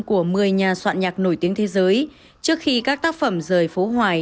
của một mươi nhà soạn nhạc nổi tiếng thế giới trước khi các tác phẩm rời phố hoài